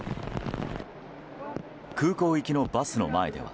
空港行きのバスの前では。